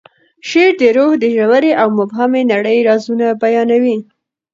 شعر د روح د ژورې او مبهمې نړۍ رازونه بیانوي.